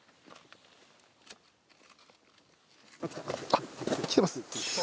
あっ来てます。